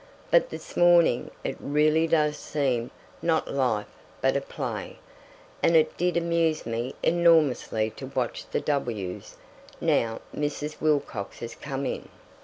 But this morning, it really does seem not life but a play, and it did amuse me enormously to watch the W's. Now Mrs. Wilcox has come in.